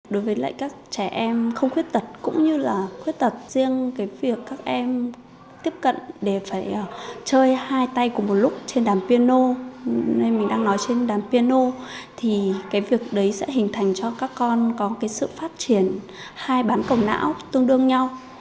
đối với các trẻ em không khuyết tật cũng như là khuyết tật riêng cái việc các em tiếp cận để phải chơi hai tay cùng một lúc trên đàm piano nay mình đang nói trên đàn piano thì cái việc đấy sẽ hình thành cho các con có cái sự phát triển hai bán cầu não tương đương nhau